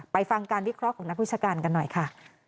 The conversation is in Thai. ฟังการวิเคราะห์ของนักวิชาการกันหน่อยค่ะ